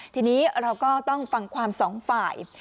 ทีนี้เราก็ต้องฟังความสองฝ่าย